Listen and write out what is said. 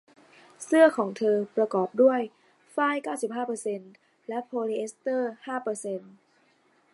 เสื้อของเธอประกอบด้วยฝ้ายเก้าสิบห้าเปอร์เซ็นต์และโพลีเอสเตอร์ห้าเปอร์เซ็นต์